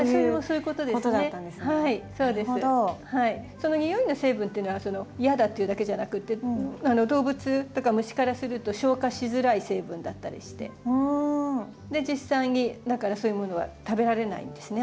その匂いの成分っていうのは「嫌だ」っていうだけじゃなくて動物とか虫からすると消化しづらい成分だったりして実際にだからそういうものは食べられないんですね